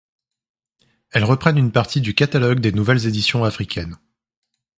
Elles reprennent une partie du catalogue des Nouvelles éditions africaines.